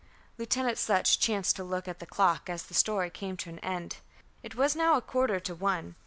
Lieutenant Sutch chanced to look at the clock as the story came to an end. It was now a quarter to one.